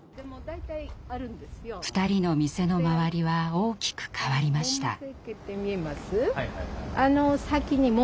２人の店の周りは大きく変わりました。